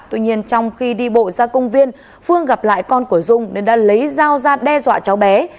tuy nhiên trong khi đi bộ ra công viên phương gặp lại con của dung nên đã lấy dao ra đe dọa cháu bé